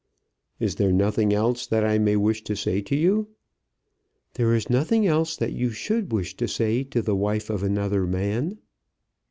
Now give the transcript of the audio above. "Is there nothing else that I may wish to say to you?" "There is nothing else that you should wish to say to the wife of another man."